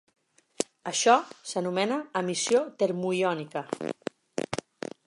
Això s'anomena emissió termoiònica.